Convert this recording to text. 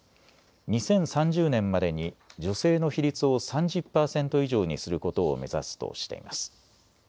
２０３０年までに女性の比率を３０％以上にすることを目指すとしています。